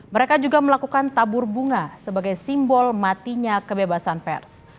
mereka juga melakukan tabur bunga sebagai simbol matinya kebebasan pers